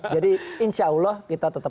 jadi insya allah kita tetap